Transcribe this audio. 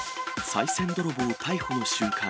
さい銭泥棒逮捕の瞬間。